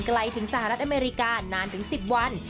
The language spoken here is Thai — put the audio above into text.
ไกลถึงสหรัฐอเมริกานานถึง๑๐วัน